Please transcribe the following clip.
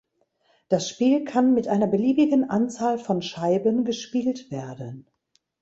Das Spiel kann mit einer beliebigen Anzahl von Scheiben gespielt werden.